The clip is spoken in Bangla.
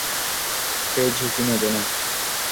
সে ঝুঁকি নেবে না।